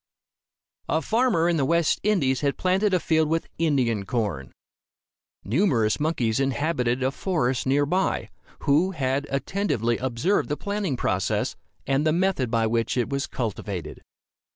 A farmer in the West Indies had planted a field with Indian corn. Numerous monkeys inhabited a forest near by, who had attentively observed the planting process, and the method by which it was cultivated.